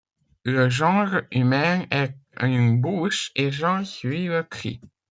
Le genre humain est une bouche, et j’en suis le cri.